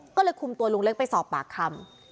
ก็เลยคุมตัวลุงเล็กไปสอบปากคำ